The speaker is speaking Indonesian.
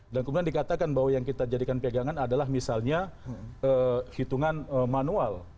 dan kemudian dikatakan bahwa yang kita jadikan pegangan adalah misalnya hitungan manual